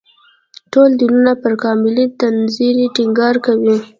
ټول دینونه پر کاملې تنزیې ټینګار کوي.